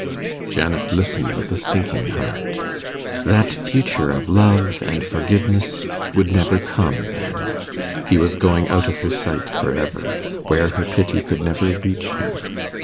Janet listened with a sinking heart. That future of love and forgiveness would never come then: he was going out of her sight for ever, where her pity could never reach him.